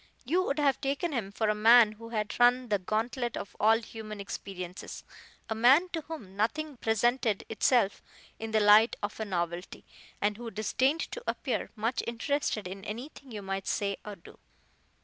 You would have taken him for a man who had run the gauntlet of all human experiences a man to whom nothing presented itself in the light of a novelty, and who disdained to appear much interested in anything you might say or do.